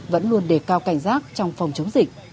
vẫn luôn đề cao cảnh giác trong phòng chống dịch